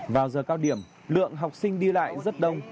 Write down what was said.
vào giờ cao điểm lượng học sinh đi lại rất đông